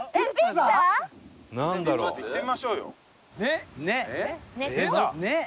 行ってみましょうよ。